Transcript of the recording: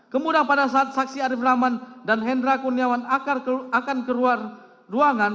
kemudian pada saat saksi arief rahman dan hendra kurniawan akan keluar ruangan